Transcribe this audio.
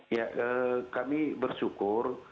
ya kami bersyukur